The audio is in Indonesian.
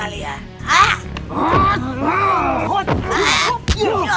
hai jangan kabur kau ya